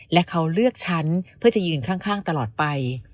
และเขาเลือกฉันเพื่อจะยืนข้างตลอดไป